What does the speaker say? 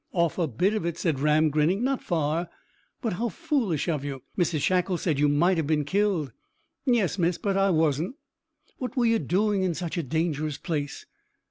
"Off a bit of it," said Ram, grinning. "Not far." "But how foolish of you! Mrs Shackle said you might have been killed." "Yes, miss, but I wasn't." "What were you doing in such a dangerous place?"